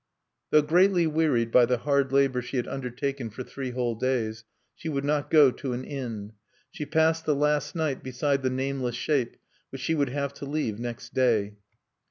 Though greatly wearied by the hard labor she had undertaken for three whole days, she would not go to an inn. She passed the last night beside the nameless shape, which she would have to leave next day.